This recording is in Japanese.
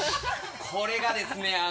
これがですね。